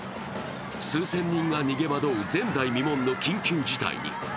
数千人が逃げ惑う前代未聞の緊急事態に。